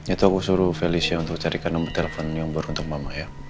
itu aku suruh felicia untuk carikan nomor telepon yang baru untuk mama ya